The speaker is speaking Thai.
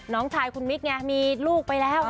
น้องชายคุณมิ๊กไงมีลูกไปแล้ว